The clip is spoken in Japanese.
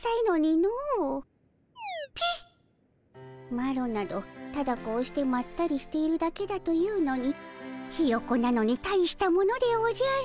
マロなどただこうしてまったりしているだけだというのにヒヨコなのに大したものでおじゃる。